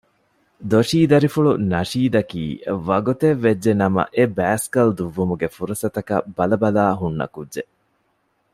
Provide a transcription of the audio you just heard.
ދޮށީ ދަރިފުޅު ނަޝީދަކީ ވަގުތެއްވެއްޖެ ނަމަ އެ ބައިސްކަލް ދުއްވުމުގެ ފުރުސަތަކަށް ބަލަބަލާ ހުންނަ ކުއްޖެއް